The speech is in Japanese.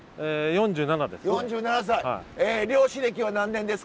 ４７歳。え漁師歴は何年ですか？